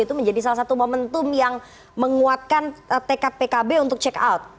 itu menjadi salah satu momentum yang menguatkan tekad pkb untuk check out